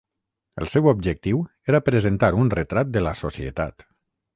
El seu objectiu era presentar un retrat de la societat.